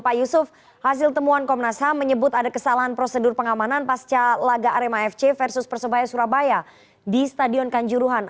pak yusuf hasil temuan komnas ham menyebut ada kesalahan prosedur pengamanan pasca laga arema fc versus persebaya surabaya di stadion kanjuruhan